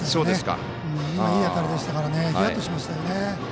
でも、いい当たりでしたからヒヤッとしましたよね。